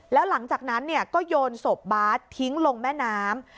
แล้วหลังจากนั้นก็โยนศพบาร์ดทิ้งลงแม่น้ำ